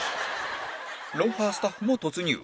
『ロンハー』スタッフも突入